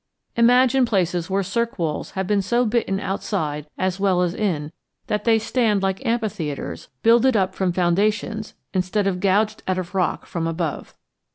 Imagine places where cirque walls have been so bitten outside as well as in that they stand like amphitheatres builded up from foundations instead of gouged out of rock from above.